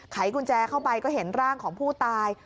ไขกุญแจเข้าไปก็เห็นร่างของผู้ตาย